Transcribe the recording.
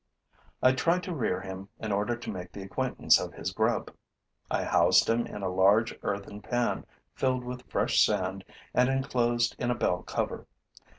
I tried to rear him in order to make the acquaintance of his grub; I housed him in a large earthen pan filled with fresh sand and enclosed in a bell cover.